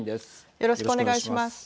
よろしくお願いします。